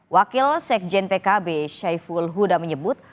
wakil sekjen pkb syaiful huda menyebut